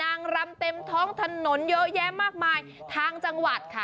นางรำเต็มท้องถนนเยอะแยะมากมายทางจังหวัดค่ะ